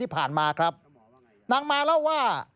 ที่ผ่านมาครับนางมาเล่าว่า